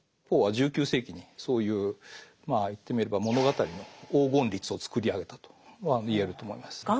ポーは１９世紀にそういうまあ言ってみれば物語の黄金律を作り上げたと言えると思います。